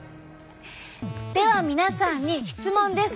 では皆さんに質問です。